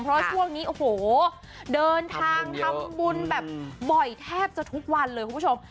เพราะช่วงนี้โอ้โหเดินทางทำบุญแบบบ่อยแทบจะทุกวันเลยคุณผู้ชม